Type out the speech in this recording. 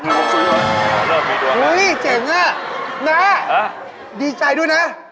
เฮ้ยเจ๋งอะนะดีใจดูนะ